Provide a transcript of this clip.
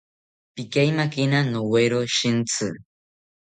Pikeimakina nowero shintzi